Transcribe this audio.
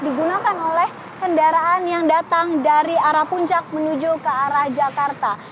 digunakan oleh kendaraan yang datang dari arah puncak menuju ke arah jakarta